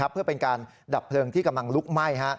เพื่อเป็นการดับเพลิงที่กำลังลุกไหม้